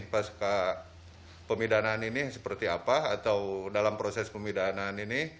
pasca pemidanaan ini seperti apa atau dalam proses pemidanaan ini